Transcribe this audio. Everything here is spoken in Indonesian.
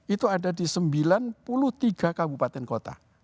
itu ada di sembilan puluh tiga kabupaten kota